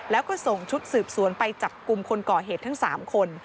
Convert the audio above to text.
แล้วก็ส่งชุดสืบสวนไปจับกลุ่มคนก่อเหตุทั้ง๓คน